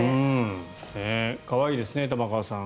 可愛いですね、玉川さん。